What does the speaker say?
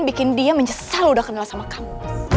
bikin dia menyesal udah kenal sama kamu